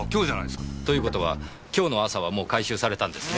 ということは今日の朝はもう回収されたんですね？